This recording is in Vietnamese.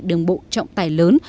đường bộ trọng tài lớn